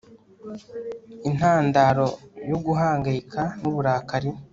Intandaro yo Guhangayika nUburakari